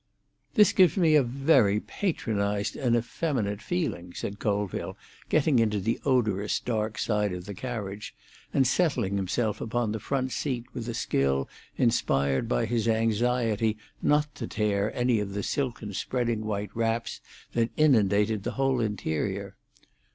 "This gives me a very patronised and effeminate feeling," said Colville, getting into the odorous dark of the carriage, and settling himself upon the front seat with a skill inspired by his anxiety not to tear any of the silken spreading white wraps that inundated the whole interior.